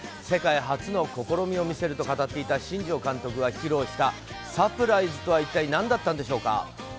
世界初の試みを見せると語っていた新庄監督が披露したサプライズとは一体何だったんでしょうか。